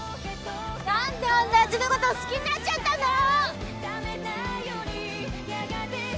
「何であんなやつのこと好きになっちゃったんだろ！」